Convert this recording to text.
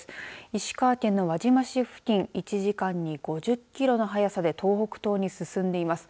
石川県の輪島市付近１時間に５０キロの速さで東北東に進んでいます。